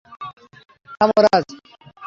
থামো, রাজ।